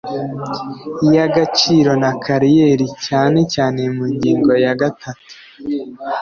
y agaciro na kariyeri cyane cyane mu ngingo ya gatatu